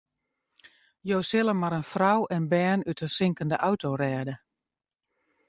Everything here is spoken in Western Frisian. Jo sille mar in frou en bern út in sinkende auto rêde.